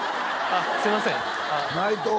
あっすいません内藤？